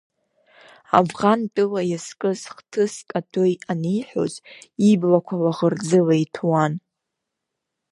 Авӷантәыла иазкыз хҭыск атәы аниҳәоз иблақәа лаӷырӡыла иҭәуан.